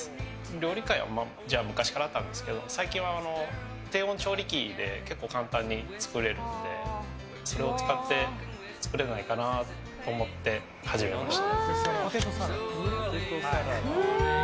料理界では昔からあったんですけど最近は低温調理器で結構簡単に作れるのでそれを使って作れないかなと思って始めました。